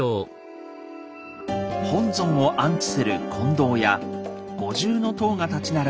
本尊を安置する金堂や五重塔が立ち並ぶ